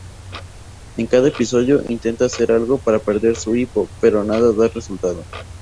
En cada episodio intenta hacer algo para perder su hipo, pero nada da resultado.